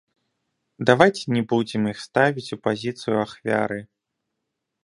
Давайце не будзем іх ставіць у пазіцыю ахвяры!